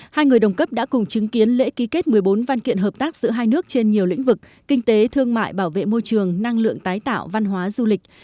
hai người đồng cấp đã cùng chứng kiến lễ ký kết một mươi bốn văn kiện hợp tác giữa hai nước trên nhiều lĩnh vực kinh tế thương mại bảo vệ môi trường năng lượng tái tạo văn hóa du lịch